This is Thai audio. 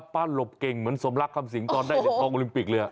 ป้าหลบเก่งเหมือนสมรักคำสิงตอนได้ในกองโอลิมปิกเลย